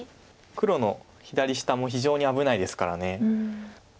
黒の左下も非常に危ないですから。